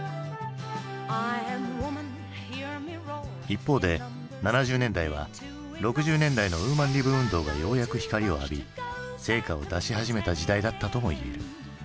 一方で７０年代は６０年代のウーマン・リブ運動がようやく光を浴び成果を出し始めた時代だったともいえる。